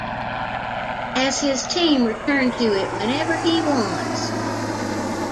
As his team return to it whenever he wants.